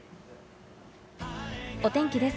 お天気です。